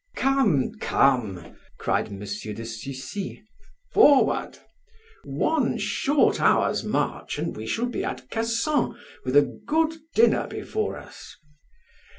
"Come, come," cried M. de Sucy, "forward! One short hour's march, and we shall be at Cassan with a good dinner before us."